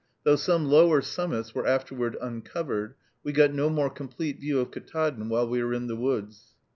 Though some lower summits were afterward uncovered, we got no more complete view of Ktaadn while we were in the woods.